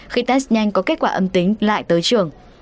khi test nhanh có kết quả âm tính lại tới trường